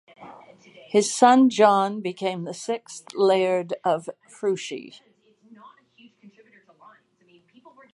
His son John became the sixth laird of Freuchie.